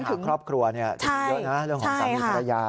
ปัญหาครอบครัวเนี้ยใช่เยอะนะใช่ค่ะเรื่องของสามีธรรยา